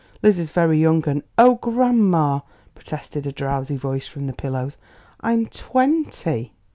Lizzie's very young, and " "Oh, grandma!" protested a drowsy voice from the pillows; "I'm twenty!"